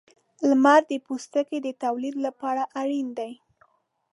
• لمر د پوستکي د تولید لپاره اړین دی.